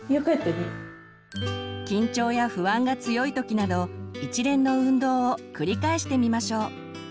緊張や不安が強い時など一連の運動を繰り返してみましょう。